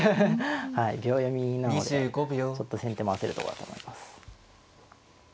はい秒読みなのでちょっと先手も焦るとこだと思います。